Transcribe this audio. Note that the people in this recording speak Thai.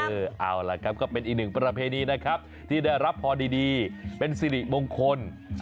เอาล่ะครับก็เป็นอีกหนึ่งประเพณีนะครับที่ได้รับพอดีเป็นสิริมงคล